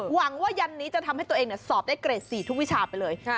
หวังว่ายันนี้จะทำให้ตัวเองสอบได้เกรด๔ทุกวิชาไปเลย